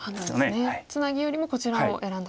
ツナギよりもこちらを選んだと。